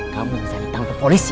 kamu bisa ditangkap polisi